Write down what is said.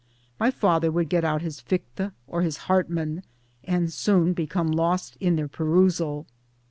My father would get out his Fichte or his Hartmann and soon become lost in their perusal.